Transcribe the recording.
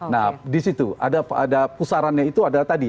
nah di situ ada pusarannya itu adalah tadi